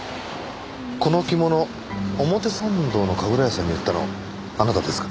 この着物表参道の神楽屋さんに売ったのあなたですか？